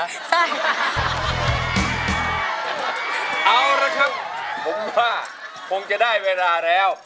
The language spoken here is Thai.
เอาละครับผมว่าคงจะได้เวลาแล้ว